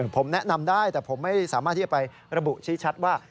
ผมแนะนำได้แต่ผมไม่สามารถที่จะไประบุชี้ชัดว่า